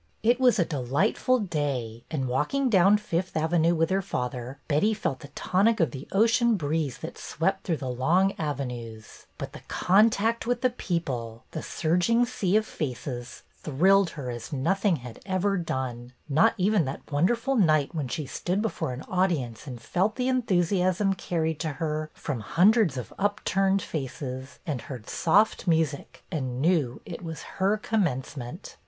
It was a delightful day, and, walking down Fifth Avenue with her father, Betty felt the tonic of the ocean breeze that swept through the long avenues; but the contact with the people, the surging sea of faces, thrilled her as nothing had ever done, — not even that wonderful night when she stood before an audience and felt the enthu siasm carried to her from hundreds of upturned faces, and heard soft music, and knew it was her commencement!